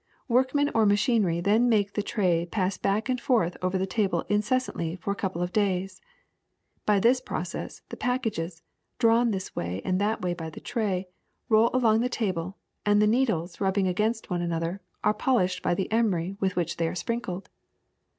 Workmen or machinery then make the tray pass back and forth over the table unceas ingly for a couple of days. By this process the packages, drawn this way and that by the tray, roll along the table, and the needles, rubbing against one another, are polished by the emery with which they are sprinkled.